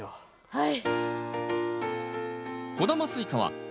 はい。